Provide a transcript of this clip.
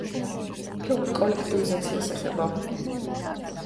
ფილმი კოლექტივიზაციას ეხება.